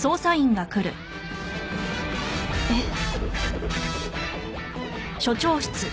えっ？